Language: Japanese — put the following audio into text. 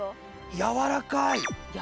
やわらかい？